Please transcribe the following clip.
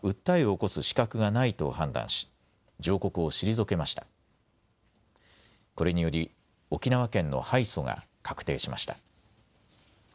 これにより沖縄県の敗訴が確定しました。